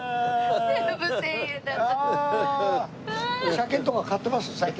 車券とか買ってます？